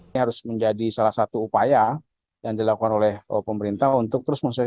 ini harus menjadi salah satu upaya yang dilakukan oleh pemerintah untuk menurunkan impor lpg